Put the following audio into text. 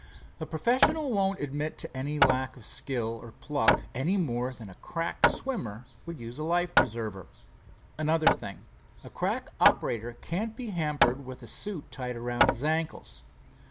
"A professional won't admit any lack of skill or pluck, any more than a crack swimmer would use a life preserver. Another thing, a crack operator can't be hampered with a suit tied around his ankles.